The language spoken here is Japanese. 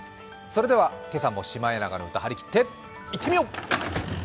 それでは今朝も「シマエナガの歌」はりきっていってみよう！